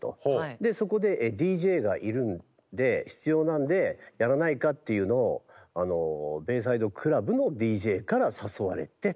でそこでＤＪが要るんで必要なんでやらないかっていうのをベイサイドクラブのＤＪから誘われて。